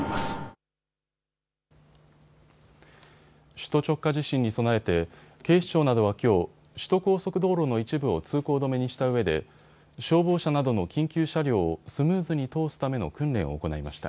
首都直下地震に備えて警視庁などはきょう、首都高速道路の一部を通行止めにしたうえで消防車などの緊急車両をスムーズに通すための訓練を行いました。